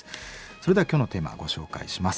それでは今日のテーマご紹介します。